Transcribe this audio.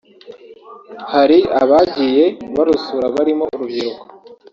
Hari abagiye barusura barimo urubyiruko